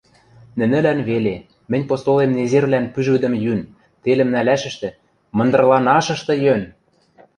Нӹнӹлӓн веле, мӹнь постолем незервлӓн пӱжвӹдӹм йӱн, телӹм нӓлӓшӹштӹ, мындырланашышты йӧн!